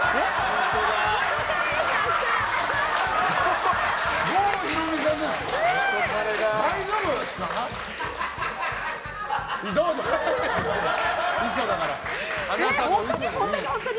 本当に？